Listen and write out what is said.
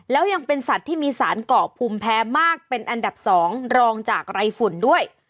แล้วยังเป็นสัตว์ที่มีสารเกาะภูมิแพ้มากเป็นอันดับ๒รองจากไรฝุ่นด้วย